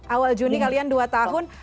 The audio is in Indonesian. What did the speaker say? awal juni kalian dua tahun